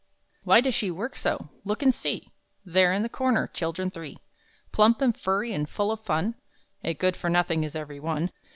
Why does she work so? Look and see, There in the corner, children three! Plump and furry and full of fun, (A good for nothing is every one.)